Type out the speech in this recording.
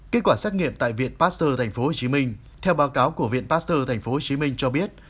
kết quả xét nghiệm tại viện pasteur tp hcm theo báo cáo của viện pasteur tp hcm cho biết